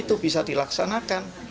itu bisa dilaksanakan